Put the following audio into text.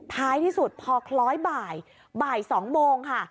ท้ายที่สุดพอคล้อยบ่ายบ่าย๒โมงค่ะ